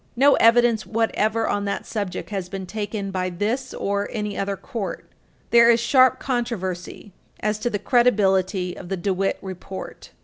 No evidence whatever on that subject has been taken by this or any other court. There is sharp controversy as to the credibility of the DeWitt report.